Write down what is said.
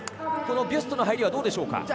ビュストの入りはどうでしょうか。